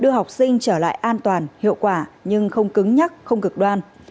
để giúp học sinh trở lại an toàn hiệu quả nhưng không cứng nhắc không cực đoan